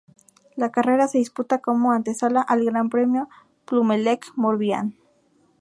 La carrera se disputa como antesala al Gran Premio de Plumelec-Morbihan.